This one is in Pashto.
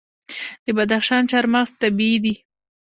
د بدخشان چهارمغز طبیعي دي.